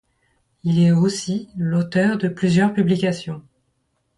Il est aussi l'auteur de plusieurs publications.